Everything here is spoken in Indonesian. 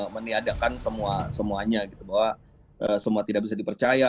meniadakan semuanya gitu bahwa semua tidak bisa dipercaya